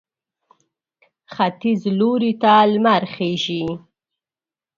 ختیځ لوري ته لمر خېژي.